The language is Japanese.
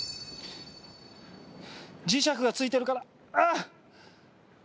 磁石が付いてるからあっ！